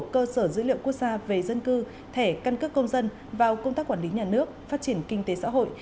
cơ sở dữ liệu quốc gia về dân cư thẻ căn cước công dân vào công tác quản lý nhà nước phát triển kinh tế xã hội